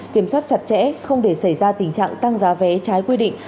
kiểm soát chặt chẽ không để xảy ra tình trạng tăng giá vé trái quy định